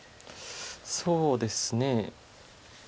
そうですね。